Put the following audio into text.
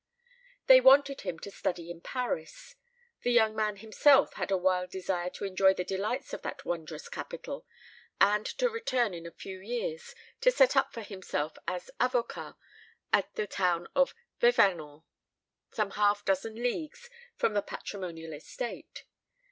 They wanted him to study in Paris the young man himself had a wild desire to enjoy the delights of that wondrous capital and to return in a few years to set up for himself as avocat at the town of Vevinord, some half dozen leagues from the patrimonial estate.